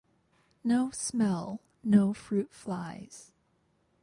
No smell, no fruit flies!